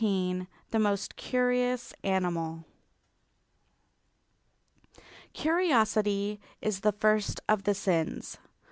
XV THE MOST CURIOUS ANIMAL Curiosity is the first of the sins.